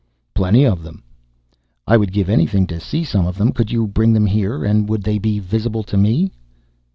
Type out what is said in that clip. "Plenty of them." "I would give anything to see some of them! Could you bring them here? And would they be visible to me?"